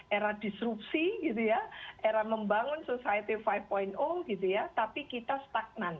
era disrupsi era membangun society lima tapi kita stagnan